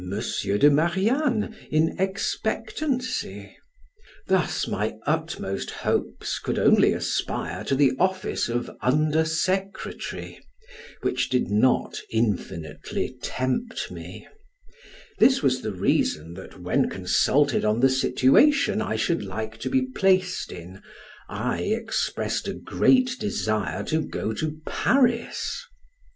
de Marianne in expectancy: thus my utmost hopes could only aspire to the office of under secretary, which did not infinitely tempt me: this was the reason that when consulted on the situation I should like to be placed in, I expressed a great desire to go to Paris.